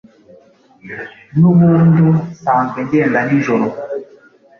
nubundu nsanzwe ngenda n’ijoro “.